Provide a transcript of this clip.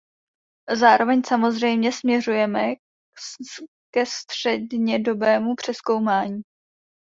Zároveň samozřejmě směřujeme k střednědobému přezkoumání.